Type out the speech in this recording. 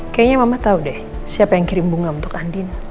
kayaknya mama tahu deh siapa yang kirim bunga untuk andin